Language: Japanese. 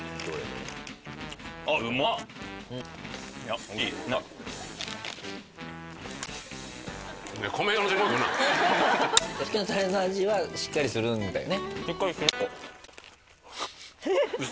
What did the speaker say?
焼き鳥のタレの味はしっかりするんだよね？